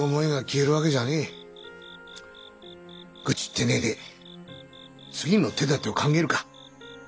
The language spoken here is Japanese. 愚痴ってねえで次の手だてを考えるか。